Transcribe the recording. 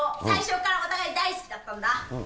最初からお互い大好きだったんだ。